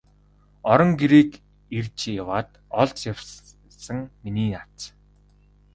Орон гэрийг эрж яваад олж явсан миний аз.